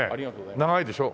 長いでしょ？